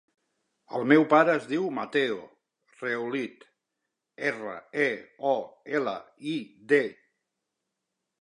El meu pare es diu Matteo Reolid: erra, e, o, ela, i, de.